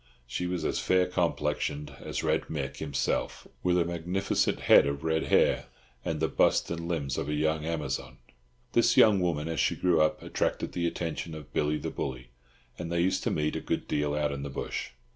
She was as fair complexioned as Red Mick himself, with a magnificent head of red hair, and the bust and limbs of a young Amazon. This young woman, as she grew up, attracted the attention of Billy the Bully, and they used to meet a good deal out in the bush.